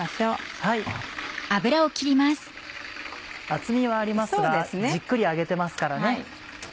厚みはありますがじっくり揚げてますからね。